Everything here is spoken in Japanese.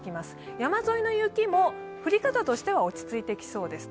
山沿いの雪も降り方としては落ち着いてきそうです。